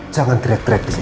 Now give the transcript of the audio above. jangan kret kret di sini